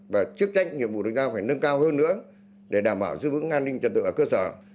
và chức tranh nhiệm vụ đối cao phải nâng cao hơn nữa để đảm bảo giữ vững an ninh trật tự ở cơ sở